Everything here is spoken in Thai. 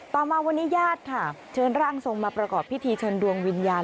มาวันนี้ญาติค่ะเชิญร่างทรงมาประกอบพิธีเชิญดวงวิญญาณ